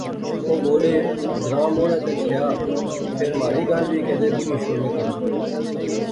او بولے، گراں موہڑا تے تھیا فیر مہاڑی گل وی کیدے بجی شوڑنے کرا